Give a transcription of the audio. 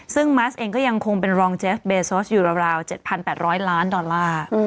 ซึ่งมัสเองก็ยังคงเป็นรองเจฟเบซอสอยู่ราว๗๘๐๐ล้านดอลลาร์